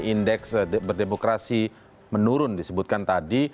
indeks berdemokrasi menurun disebutkan tadi